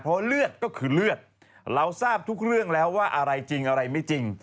เพราะเลือดก็คือเลือดเราทราบทุกเรื่องแล้วว่าอะไรจริงอะไรไม่จริง